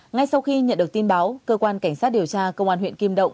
ngay sau khi nhận được tin báo cơ quan cảnh sát điều tra công an huyện kim động